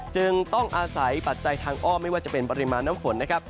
จึงต้องอาศัยปัจจัยทางอ้อมไม่ว่าจะเป็นปริมาณน้ำฝนนะครับ